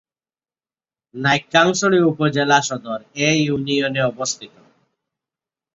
নাইক্ষ্যংছড়ি উপজেলা সদর এ ইউনিয়নে অবস্থিত।